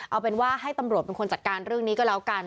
เอาเป็นว่าให้ตำรวจเป็นคนจัดการเรื่องนี้ก็แล้วกัน